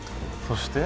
そして？